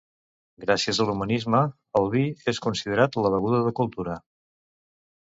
Gràcies a l'humanisme, el vi és considerat la beguda de cultura.